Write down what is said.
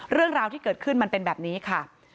เรื่องราวที่เกิดขึ้นมันเป็นแบบนี้ค่ะ